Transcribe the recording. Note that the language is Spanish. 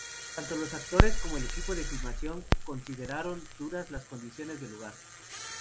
Tanto los actores como el equipo de filmación consideraron duras las condiciones del lugar.